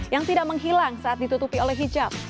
yang tidak menghilang saat ditutupi oleh hijab